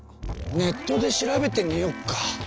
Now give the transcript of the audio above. ネットで調べてみよっか。